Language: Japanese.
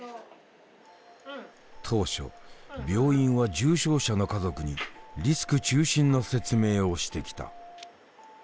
当初病院は重症者の家族にリスク中心の説明をしてきた。